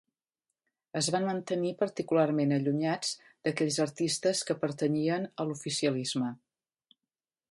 Es van mantenir particularment allunyats d'aquells artistes que pertanyien a l'oficialisme.